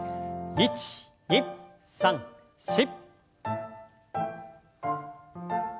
１２３４。